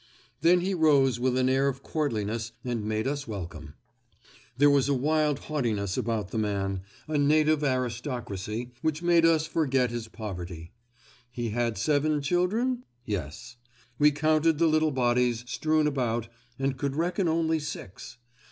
Then he rose with an air of courtliness and made us welcome. There was a wild haughtiness about the man—a native aristocracy—which made us forget his poverty. He had seven children? Yes. We counted the little bodies strewn about and could reckon only six.